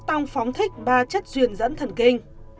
tăng phóng thích ba chất duyên dẫn thần kinh